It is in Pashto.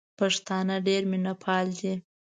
پښتانه ډېر مېلمه پال دي.